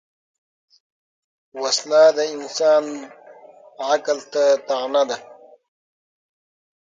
وسله د انسان عقل ته طعنه ده